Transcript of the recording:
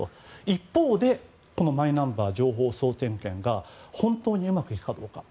一方でこのマイナンバー情報総点検が本当にうまくいくかどうか。